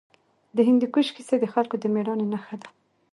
د هندوکش کیسې د خلکو د مېړانې نښه ده.